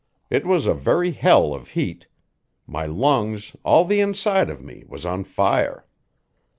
It was a very hell of heat; my lungs, all the inside of me, was on fire.